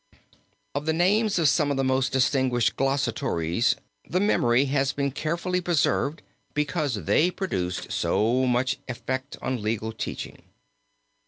Of the names of some of the most distinguished glossatores the memory has been carefully preserved because they produced so much effect on legal teaching.